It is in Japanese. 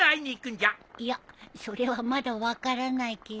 いやそれはまだ分からないけど。